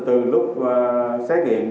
từ lúc xét nghiệm